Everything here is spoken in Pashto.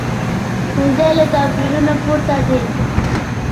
ښوونځی له توپیرونو پورته دی